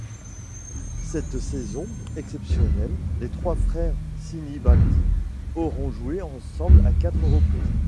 Cette saison exceptionnelle, les trois frères Sinibaldi auront joué ensemble à quatre reprises.